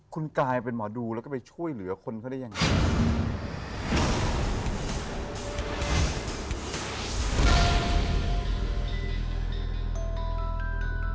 คุณกลายเป็นหมอดูแล้วก็ไปช่วยเหลือคนเขาได้ยังไง